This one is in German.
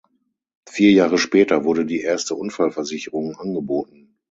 Vier Jahre später wurde die erste Unfallversicherung angeboten.